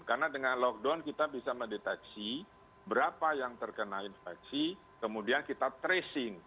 karena dengan lockdown kita bisa mendeteksi berapa yang terkena infeksi kemudian kita tracing